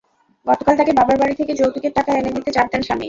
গতকাল তাঁকে বাবার বাড়ি থেকে যৌতুকের টাকা এনে দিতে চাপ দেন স্বামী।